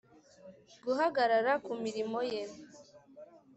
guhagarara ku mirimo ye